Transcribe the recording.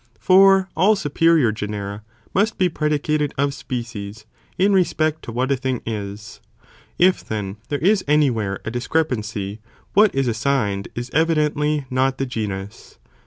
"8* for all superior genera must be predicated of species, in re spect to what a thing is; if then there is any where a discre pancy, what is assigned, is evidently not the genus.